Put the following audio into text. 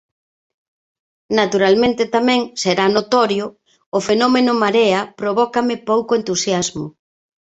Naturalmente tamén, será notorio, o fenómeno Marea provócame pouco entusiasmo.